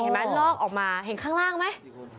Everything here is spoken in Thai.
มันลองออกมาเห็นข้างล่างมั้ย